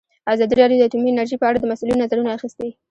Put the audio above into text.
ازادي راډیو د اټومي انرژي په اړه د مسؤلینو نظرونه اخیستي.